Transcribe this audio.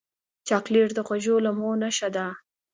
چاکلېټ د خوږو لمحو نښه ده.